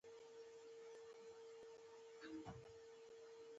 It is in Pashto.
ګل د خوشحالۍ پیغام راوړي.